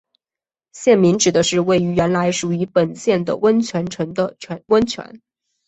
县名指的是位于原来属于本县的温泉城的温泉。